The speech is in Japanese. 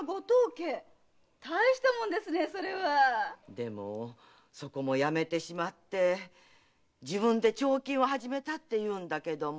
でもそこも辞めて自分で彫金を始めたっていうんだけども。